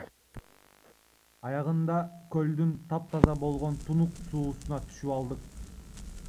Аягында көлдүн таптаза болгон тунук суусуна түшүп алдык.